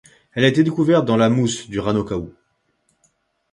Elle a été découverte dans de la mousse du Rano Kau.